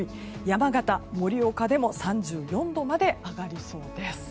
山形、盛岡でも３４度まで上がりそうです。